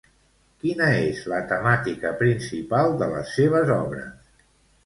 Quina és la temàtica principal de les seves obres?